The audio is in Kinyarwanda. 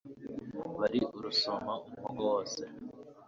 Biba urusumo umuhogo wose